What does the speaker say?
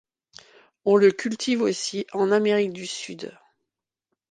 On le cultive aussi en Amérique du Sud.